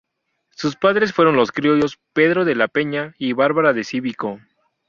Sus padres fueron los criollos Pedro de la Peña y Bárbara de Cívico.